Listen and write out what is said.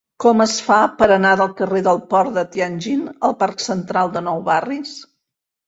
Com es fa per anar del carrer del Port de Tianjin al parc Central de Nou Barris?